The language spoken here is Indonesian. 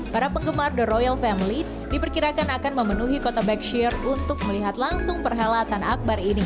para penggemar the royal family diperkirakan akan memenuhi kota back shear untuk melihat langsung perhelatan akbar ini